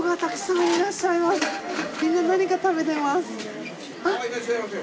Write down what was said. いらっしゃいませ。